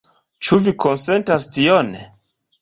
Ĉu vi konsentas tion?